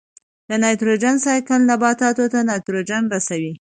د نایټروجن سائیکل نباتاتو ته نایټروجن رسوي.